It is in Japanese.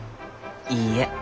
いいえ。